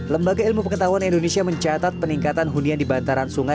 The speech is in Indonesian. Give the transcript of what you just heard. lembaga ilmu pengetahuan indonesia mencatat peningkatan hunian di bantaran sungai